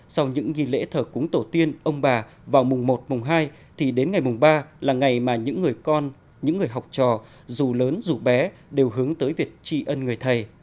sau những nghi lễ thờ cúng tổ tiên ông bà vào mùng một mùng hai thì đến ngày mùng ba là ngày mà những người con những người học trò dù lớn dù bé đều hướng tới việc tri ân người thầy